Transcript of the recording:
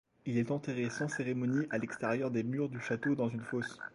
Il est enterré sans cérémonie à l'extérieur des murs du château dans une fosse.